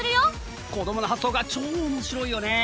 子どもの発想が超おもしろいよねえ！